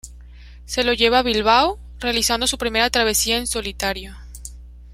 Se lo lleva a Bilbao, realizando su primera travesía en solitario.